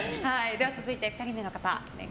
続いて、２人目の方。